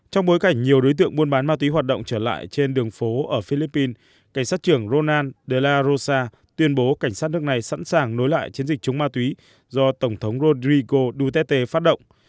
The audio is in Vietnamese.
trong bối cảnh nhiều đối tượng buôn bán ma túy hoạt động trở lại trên đường phố ở philippines cảnh sát trưởng ronan della rosa tuyên bố cảnh sát nước này sẵn sàng nối lại chiến dịch chống ma túy do tổng thống rodrigo duterte phát động